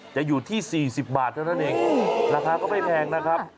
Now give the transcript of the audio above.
จะอยู่ที่๔๐บาทเท่านั้นเองราคาก็ไม่แพงนะครับ